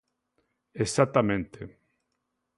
–Exactamente.